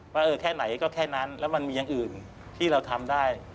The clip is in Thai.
ว่าเออแค่ไหนก็แค่นั้นแล้วมันมีอย่างอื่นที่เราทำได้